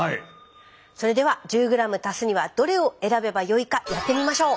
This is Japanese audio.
それでは１０ｇ足すにはどれを選べばよいかやってみましょう。